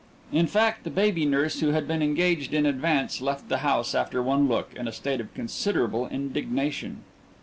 In fact, the baby nurse who had been engaged in advance left the house after one look, in a state of considerable indignation.